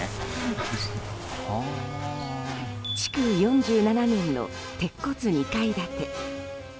築４７年の鉄骨２階建て。